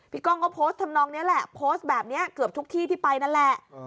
กล้องก็โพสต์ทำนองนี้แหละโพสต์แบบนี้เกือบทุกที่ที่ไปนั่นแหละ